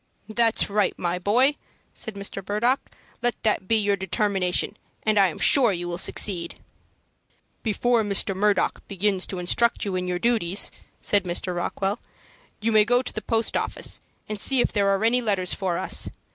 "That's right, my boy," said Mr. Murdock. "Let that be your determination, and I am sure you will succeed." "Before Mr. Murdock begins to instruct you in your duties," said Mr. Rockwell, "you may go to the post office, and see if there are any letters for us.